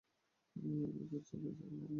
একই কাজ চালিয়ে যাও, অমর।